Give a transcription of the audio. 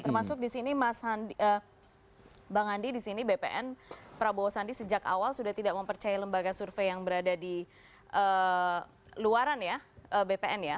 termasuk di sini bang andi di sini bpn prabowo sandi sejak awal sudah tidak mempercayai lembaga survei yang berada di luaran ya bpn ya